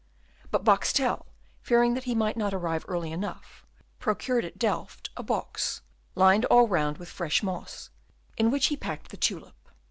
But Boxtel, fearing that he might not arrive early enough, procured at Delft a box, lined all round with fresh moss, in which he packed the tulip.